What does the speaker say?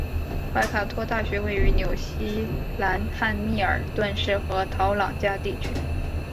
怀卡托大学位于纽西兰汉密尔顿市和陶朗加地区。